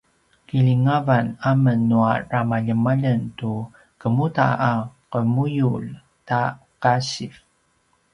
kilingavan amen nua ramaljemaljeng tu kemuda a qemuyulj ta kasiv